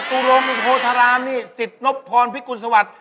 แต่ตุรมโธษรามนี่สิทธิ์นบพรพิกุณศวรรษ